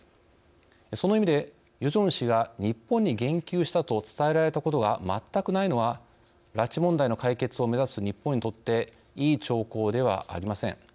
その意味で、ヨジョン氏が日本に言及したと伝えられたことが全くないのは拉致問題の解決を目指す日本にとっていい兆候ではありません。